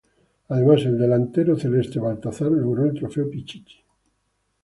Además, el delantero celeste Baltazar logró el trofeo Pichichi.